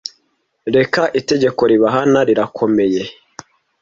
reka itegeko ribahana rirakomeye